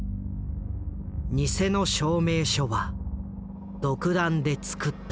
「偽の証明書は独断で作った」。